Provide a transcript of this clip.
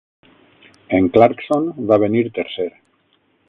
En Clarkson va venir tercer.